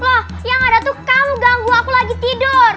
wah yang ada tuh kamu ganggu aku lagi tidur